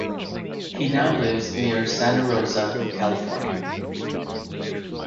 He now lives near Santa Rosa, California.